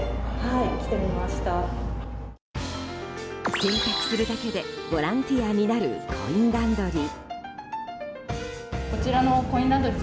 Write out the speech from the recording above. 洗濯するだけでボランティアになるコインランドリー。